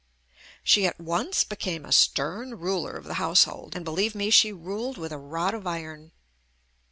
She at once became a stern ruler of the house hold, and believe me she ruled with a rod of iron.